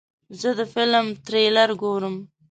زه د فلم تریلر ګورم.